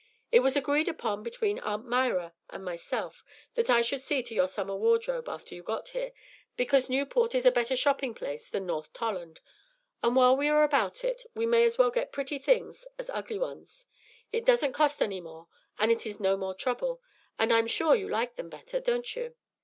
It was agreed upon between Aunt Myra and myself that I should see to your summer wardrobe after you got here, because Newport is a better shopping place than North Tolland; and while we are about it, we may as well get pretty things as ugly ones. It doesn't cost any more and is no more trouble, and I am sure you like them better, don't you?"